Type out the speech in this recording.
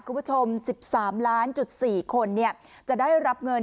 คุณผู้ชม๑๓ล้านจุด๔คนจะได้รับเงิน